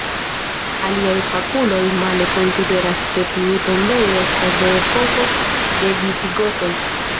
Aliaj fakuloj male konsideras, ke tiu tombejo estas de epoko de visigotoj.